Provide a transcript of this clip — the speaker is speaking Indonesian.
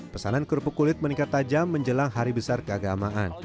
pesanan kerupuk kulit meningkat tajam menjelang hari besar keagamaan